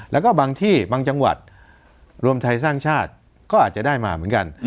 แล้วก็บางที่บางจังหวัดรวมไทยสร้างชาติก็อาจจะได้มาเหมือนกัน